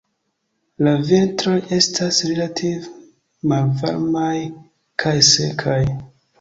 La vintroj estas relative malvarmaj kaj sekaj.